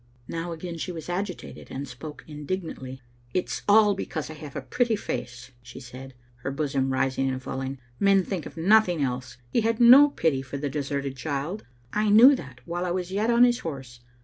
Now again she was agitated, and spoke indignantly. "It is all because I have a pretty face," she said, her bosom rising and falling. " Men think of nothing else. He had no pity for the deserted child. I knew that while I was yet on his horse.